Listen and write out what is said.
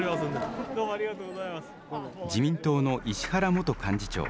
自民党の石原元幹事長。